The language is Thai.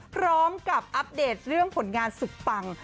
พร้อมกับอัปเดตเรื่องผลงานสุดปัง